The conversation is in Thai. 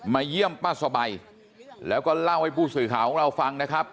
เยี่ยมป้าสบายแล้วก็เล่าให้ผู้สื่อข่าวของเราฟังนะครับ